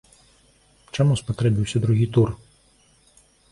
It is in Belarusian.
Чаму спатрэбіўся другі тур?